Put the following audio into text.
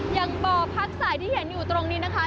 อย่างบ่อพักสายที่เห็นอยู่ตรงนี้นะคะ